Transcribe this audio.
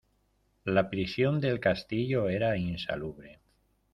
La prisión del castillo era insalubre.